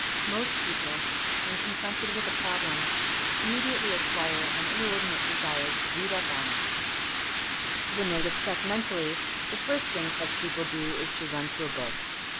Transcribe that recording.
Most people, when confronted with a problem, immediately acquire an inordinate desire to read up*^ on it. When they get stuck men tally, the first thing such people do is to run to a book.